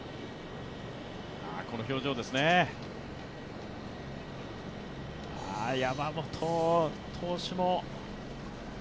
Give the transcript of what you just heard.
この表情ですね、山本投手も。